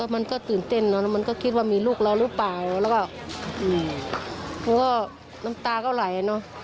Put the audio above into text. มันก็ตื่นเต้นแล้วมันก็คิดว่ามีลูกแล้วหรือเปล่าแล้วก็น้ำตาก็ไหล